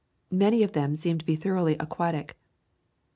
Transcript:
Many of them seem to be thoroughly aquatic.